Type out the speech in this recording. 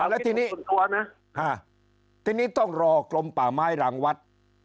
แล้วทีนี้ต้องรอกลมป่าไม้รางวัด